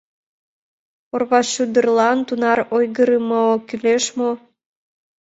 Орвашӱдырлан тунар ойгырымо кӱлеш мо?